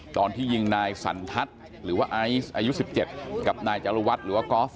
ตอนที่ยิงนายสันทัศน์หรือว่าไอซ์อายุ๑๗กับนายจรุวัฒน์หรือว่ากอล์ฟ